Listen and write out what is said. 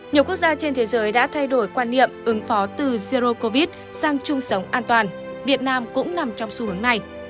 nhiều quốc gia trên thế giới đã thay đổi quan niệm ứng phó từ zero covid sang chung sống an toàn việt nam cũng nằm trong xu hướng này